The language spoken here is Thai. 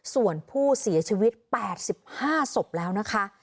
ส่วนผู้เสียชีวิต๘๕ศพแล้วนะคะ